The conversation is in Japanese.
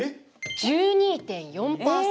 １２．４％。